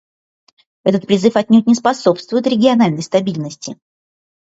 Этот призыв отнюдь не способствует региональной стабильности.